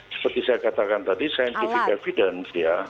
seperti saya katakan tadi scientific evidence ya